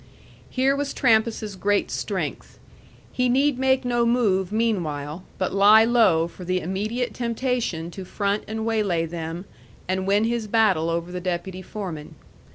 Here was Trampas's great strength; he need make no move meanwhile, but lie low for the immediate temptation to front and waylay them and win his battle over the deputy foreman.